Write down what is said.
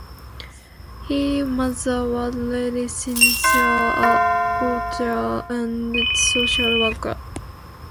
His mother was Lady Cynthia, a courtier and social worker.